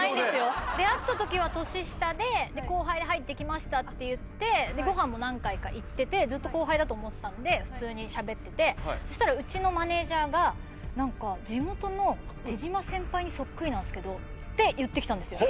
出会った時は年下で後輩で入ってきましたって言ってご飯も何回か行っててずっと後輩だと思ってたんで普通に喋っててそしたら何か「地元の手島先輩にそっくりなんすけど」って言ってきたんですよ